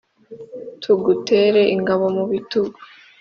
tugutere ingabo mu bitugu.